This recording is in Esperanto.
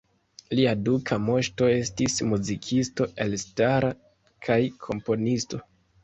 Lia duka moŝto estis muzikisto elstara kaj komponisto.